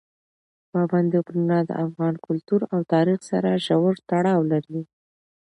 پابندي غرونه د افغان کلتور او تاریخ سره ژور تړاو لري.